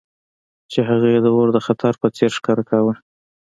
چې هغه یې د اور د خطر په څیر ښکاره کاوه